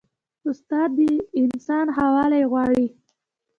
استاد د انسان ښه والی غواړي.